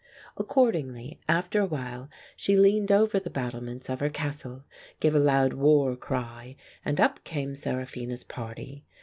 Accordingly, after a while she leaned over the battlements of her castle, gave a loud war cry, and up came Seraphina's party.